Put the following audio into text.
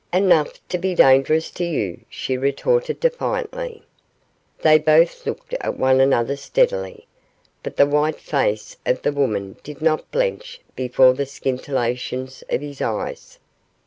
'Enough to be dangerous to you,' she retorted, defiantly. They both looked at one another steadily, but the white face of the woman did not blench before the scintillations of his eyes.